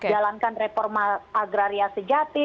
jalankan reforma agraria sejati